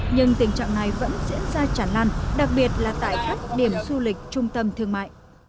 nhưng tình trạng này vẫn diễn ra tràn lan đặc biệt là tại các điểm du lịch trung tâm thương mại